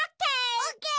オッケー。